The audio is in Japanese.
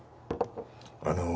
あの。